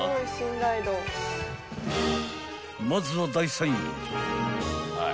［まずは第３位］